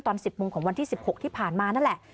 ตอน๑๐โมงของวันที่๑๖ที่ผ่านมานั่นแหละ